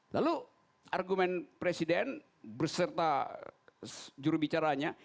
lalu argumen presiden berserta jurubicaranya